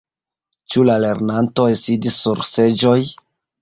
Ĉu la lernantoj sidis sur seĝoj?